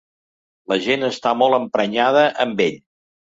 La gent està molt emprenyada amb ell.